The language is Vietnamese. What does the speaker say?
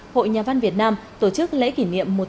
hội nhà văn việt nam tổ chức lễ kỷ niệm